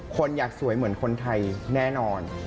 คนอยากสวยเหมือนคนไทยแน่นอน